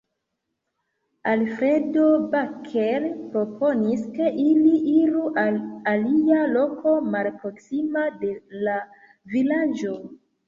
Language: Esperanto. Alfredo Baker proponis ke ili iru al alia loko, malproksima de la vilaĝo.